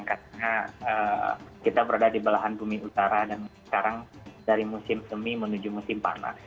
karena kita berada di belahan bumi utara dan sekarang dari musim semi menuju musim panas